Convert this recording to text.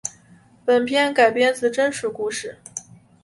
本片改编自真实故事。